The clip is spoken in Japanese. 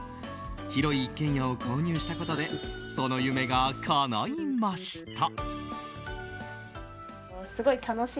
広い一軒家を購入したことでその夢がかないました。